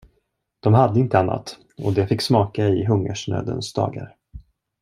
De hade inte annat, och det fick smaka i hungersnödens dagar.